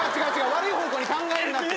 悪い方向に考えるなって。